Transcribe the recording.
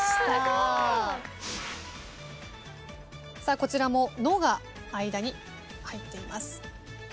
こちらも「の」が間に入っています。